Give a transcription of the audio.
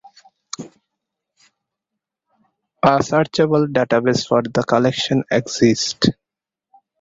A searchable database for the collection exists.